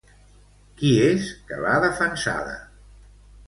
Qui és que l'ha defensada?